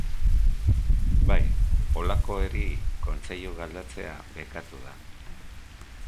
Bai, holakoeri kontseilu galdatzea bekatu da.